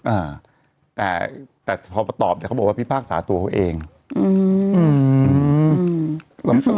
อ่าแต่แต่พอมาตอบเดี๋ยวเขาบอกว่าพี่ภาคสาตัวเขาเองอืมมัน